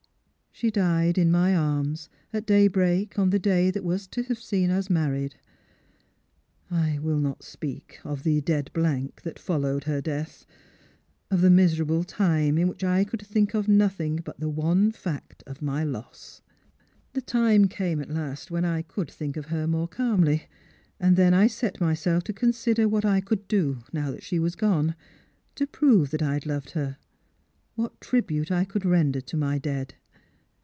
She died in my arms at daybreak on the day that was to have seen us married. " I will not speak of the dead blank that followed her death— of the miserable time in which I could think of nothing but the one fact of my, loss. The time came at last when I could think of her more calniy, and then I^et myself to consider what I could do, now she was gone, to ^ove that I had loved her — what tribute I could render to my dead.